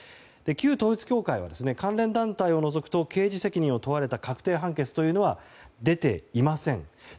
旧統一教会は、関連団体を除くと刑事責任を問われた確定判決というのは出ていません。